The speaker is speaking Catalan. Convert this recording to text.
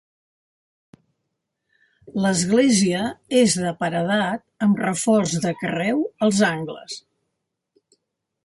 L'església és de paredat amb reforç de carreu als angles.